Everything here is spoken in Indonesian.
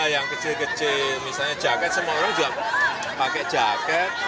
yang kecil kecil misalnya jaket semua orang juga pakai jaket